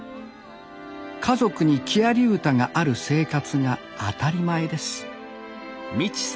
家族に木遣り歌がある生活が当たり前です